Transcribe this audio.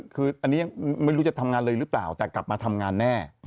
คืออันนี้ยังไม่รู้จะทำงานเลยหรือเปล่าแต่กลับมาทำงานแน่